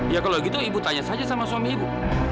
ya kalau gitu ibu tanya saja sama suami ibu